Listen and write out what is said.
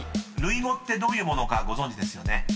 類語ってどういうものかご存じですよね？］